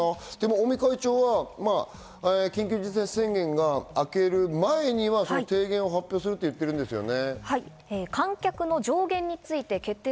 尾身会長は緊急事態宣言があける前には提言を発表すると言ってるんですよね。